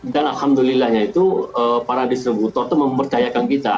dan alhamdulillahnya itu para distributor itu mempercayakan kita